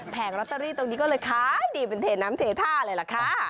ลอตเตอรี่ตรงนี้ก็เลยขายดีเป็นเทน้ำเทท่าเลยล่ะค่ะ